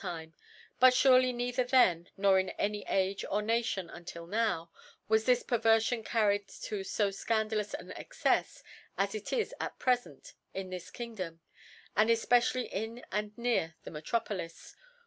i6y^ Ed, Liff^ but ( 15 ) but furely neither then, nor in any Age or Nation, until now, was this Pervcrfion car ried to fo fcandalous an Excefs as it is at prcfent in this Kingdom, and efpecially in and near the Metropolis